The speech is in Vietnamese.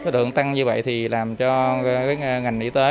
đường tăng như vậy thì làm cho ngành y tế